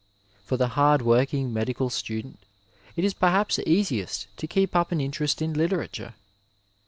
For the hard working medical student it is perhaps easiest to keep up an interest in literature.